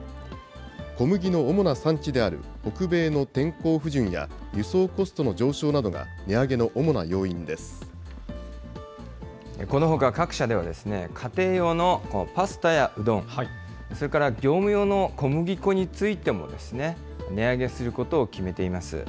小麦の主な産地である北米の天候不順や、輸送コストの上昇などが、このほか各社では、家庭用のパスタやうどん、それから業務用の小麦粉についても、値上げすることを決めています。